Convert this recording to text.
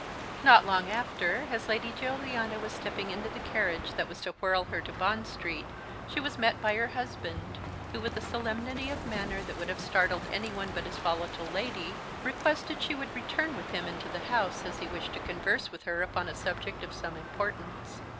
Not long after, as Lady Juliana was stepping into the carriage that was to whirl her to Bond Street she was met by her husband, who, with a solemnity of manner that would have startled anyone but his volatile lady, requested she would return with him into the house, as he wished to converse with her upon a subject of some importance.